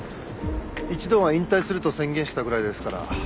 一度は引退すると宣言したぐらいですから。